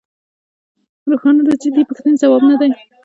روښانه ده چې د دې پوښتنې ځواب نه دی